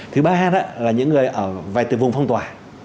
thứ ba là những người ở về từ vùng phong tỏa